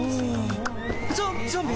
ゾゾンビ！